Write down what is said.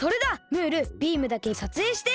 ムールビームだけさつえいして。